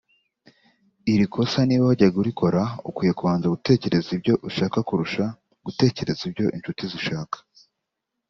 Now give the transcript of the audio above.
Iri kosa niba wajyaga urikora ukwiye kubanza gutekereza ibyo ushaka kurusha gutekereza ibyo inshuti zishaka